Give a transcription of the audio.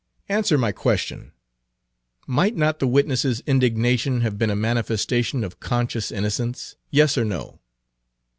"Answer my question. Might not the witness's indignation have been a manifestation of conscious innocence? Yes or no?"